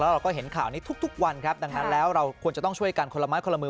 เราก็เห็นข่าวนี้ทุกวันครับดังนั้นแล้วเราควรจะต้องช่วยกันคนละไม้คนละมือ